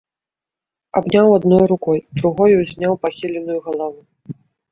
Абняў адной рукой, другой узняў пахіленую галаву.